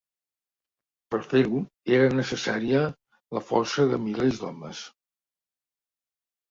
Per a fer-ho, era necessària la força de milers d'homes.